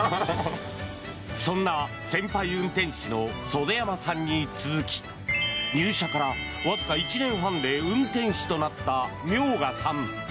そんな先輩運転士の袖山さんに続き入社からわずか１年半で運転士となった明賀さん。